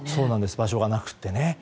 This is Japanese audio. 場所がなくてね。